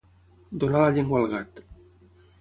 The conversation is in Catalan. Donar la llengua al gat.